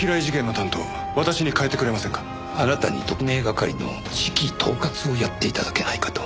あなたに特命係の指揮統括をやって頂けないかと。